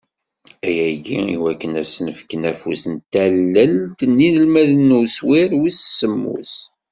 Ayagi, i wakken ad asen-fken afus n tallelt i yinelmaden n uswir wis semmus.